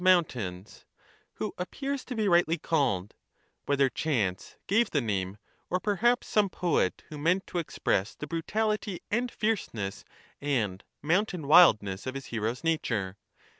mountains) who appears to be rightly called ; whether chance gave the name, or perhaps some poet who meant to express the brutality and fierceness and mountain wildness of his hero's nature.